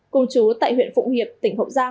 cùng chú tại huyện phụng hiệp tỉnh hậu giang